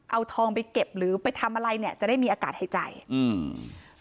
เอาทองไปเก็บหรือไปทำอะไรเนี้ยจะได้มีอากาศหายใจอืม